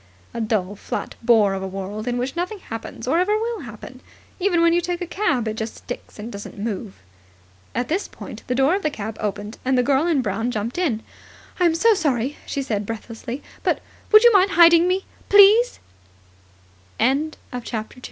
"A dull, flat bore of a world, in which nothing happens or ever will happen. Even when you take a cab it just sticks and doesn't move." At this point the door of the cab opened, and the girl in brown jumped in. "I'm so sorry," she said breathlessly, "but would you mind hiding me, please." CHAPTER 3. George hid her.